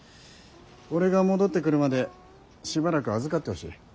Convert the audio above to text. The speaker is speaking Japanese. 俺が戻ってくるまでしばらく預かってほしい。